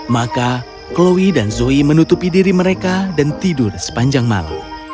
maka chloe dan zoe menutupi diri mereka dan tidur sepanjang malam